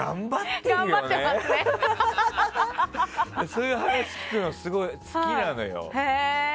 そういう話聞くのすごい好きなのよ。